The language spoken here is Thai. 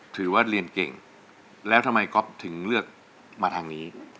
ถือว่าเรียนเก่งแล้วทำไมก๊อฟถึงเลือกมาทางนี้